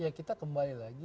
ya kita kembali lagi